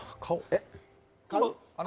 えっ？